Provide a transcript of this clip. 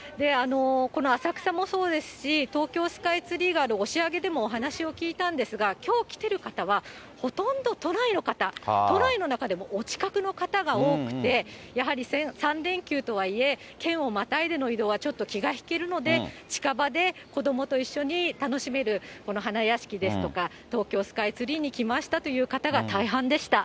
この浅草もそうですし、東京スカイツリーがある押上でもお話を聞いたんですが、きょう来てる方はほとんど都内の方、都内の中でもお近くの方が多くて、やはり３連休とはいえ、県をまたいでの移動はちょっと気が引けるので、近場で子どもと一緒に楽しめるこの花やしきですとか、東京スカイツリーに来ましたという方が大半でした。